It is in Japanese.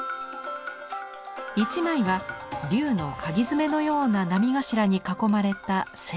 一枚は龍のかぎ爪のような波頭に囲まれた青龍。